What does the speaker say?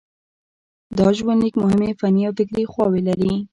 دا ژوندلیک مهمې فني او فکري خواوې لري.